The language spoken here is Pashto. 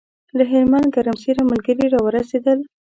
له هلمند ګرمسېره ملګري راورسېدل.